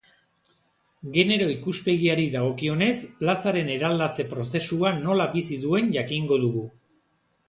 Genero ikuspegiari dagokionez, plazaren eraldatze prozesua nola bizi duen jakingo dugu.